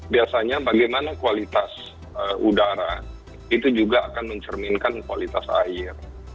biasanya bagaimana kualitas udara itu juga akan mencerminkan kualitas air